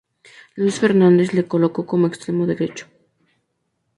Luis Fernández le colocó como extremo derecho.